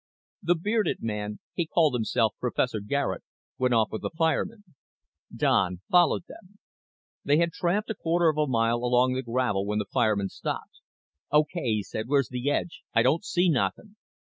The bearded man he called himself Professor Garet went off with the fireman. Don followed them. They had tramped a quarter of a mile along the gravel when the fireman stopped. "Okay," he said "where's the edge? I don't see nothing."